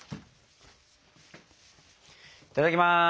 いただきます。